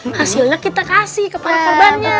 hasilnya kita kasih ke para korbannya